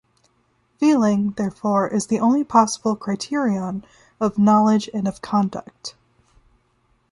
Feeling, therefore, is the only possible criterion of knowledge and of conduct.